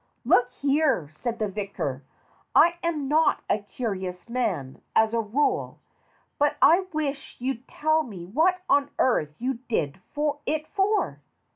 "Look here!" said the vicar. "I am not a curious man, as a rule, but I wish you'd tell me what on earth you did it for.